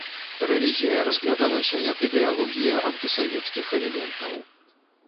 Рэлігія разглядалася як ідэалогія антысавецкіх элементаў.